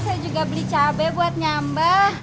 saya juga beli cabai buat nyamba